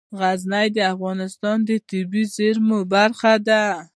غزني د افغانستان د طبیعي زیرمو برخه ده.